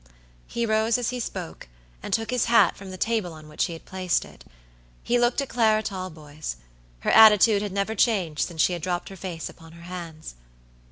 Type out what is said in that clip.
He rose as he spoke, and took his hat from the table on which he had placed it. He looked at Clara Talboys. Her attitude had never changed since she had dropped her face upon her hands.